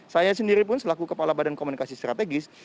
saya sendiri pun selaku kepala badan komunikasi strategis